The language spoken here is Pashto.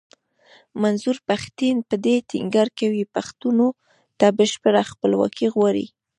منظور پښتين په دې ټينګار کوي پښتنو ته بشپړه خپلواکي غواړي.